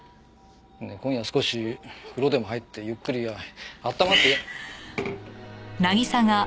今夜は少し風呂でも入ってゆっくり温まって。